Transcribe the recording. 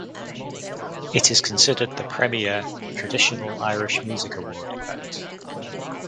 It is considered the premier Traditional Irish Music Award event.